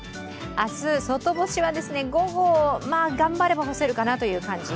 明日、外干しは午後、頑張れば干せるかなという感じ。